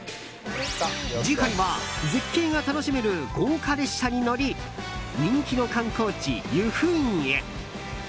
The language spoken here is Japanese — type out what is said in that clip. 次回は絶景が楽しめる豪華列車に乗り人気の観光地、由布院へ。